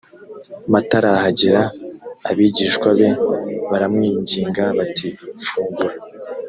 matarahagera abigishwa be baramwinginga bati fungura